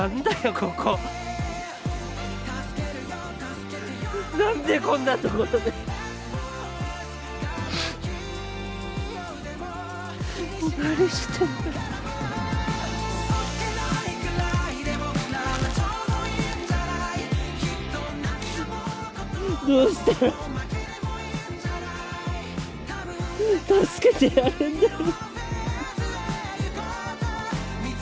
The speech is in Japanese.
ここ何でこんなところで何してんだよどうしたら助けてやれんだよ